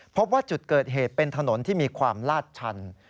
พบว่าจุดเกิดเหตุเป็นถนนที่มีความลาดชัน